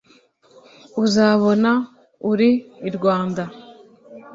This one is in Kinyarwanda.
Uzabona uri i Rwanda.